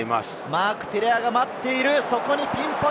マーク・テレアが待っている！